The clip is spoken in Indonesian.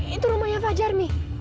itu rumahnya fajar mi